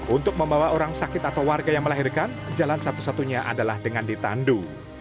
untuk membawa orang sakit atau warga yang melahirkan jalan satu satunya adalah dengan ditandu